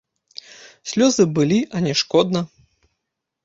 Слёзы былі, а не шкодна.